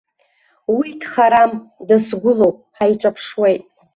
Уи дхарам, дысгәылоуп, ҳаиҿаԥшуеит.